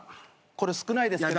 これ少ないですけど。